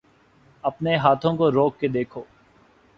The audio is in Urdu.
اپنے ہاتھوں کو روک کے رکھو